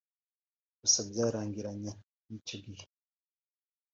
gusa byarangiranye n’icyo gihe